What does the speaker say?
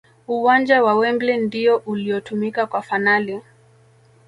uwanja wa Wembley ndiyo uliotumika kwa fanali